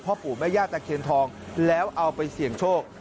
ปู่แม่ย่าตะเคียนทองแล้วเอาไปเสี่ยงโชค